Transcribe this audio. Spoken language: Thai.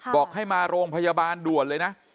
บอกให้มาโรงพยาบาลด่วนเลยนะ